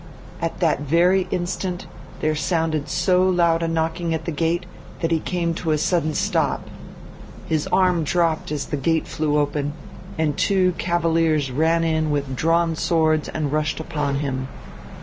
At that very instant there sounded so loud a knocking at the gate that he came to a sudden stop. His arm dropped as the gate flew open and two cavaliers ran in with drawn swords and rushed upon him.